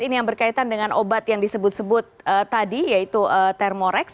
ini yang berkaitan dengan obat yang disebut sebut tadi yaitu thermorex